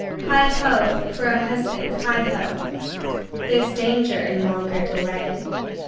Heigh ho! for a husband! Heigh ho! There's danger in longer delay!